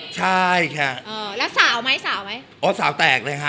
ใช่ค่ะเออแล้วสาวไหมสาวไหมอ๋อสาวแตกเลยค่ะ